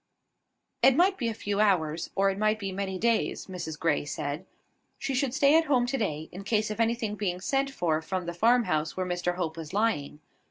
It might be a few hours, or it might be many days, Mrs Grey said. She should stay at home to day, in case of anything being sent for from the farmhouse where Mr Hope was lying.